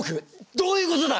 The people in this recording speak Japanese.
どういうことだ！